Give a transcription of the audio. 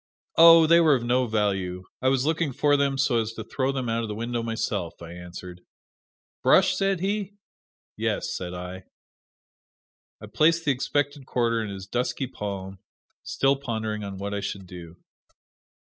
"Oh, they were of no value I was looking for them so as to throw them out of the window myself," I answered. "Brush?" said he. "Yes," said I. I placed the expected quarter in his dusky palm, still pondering on what I should do.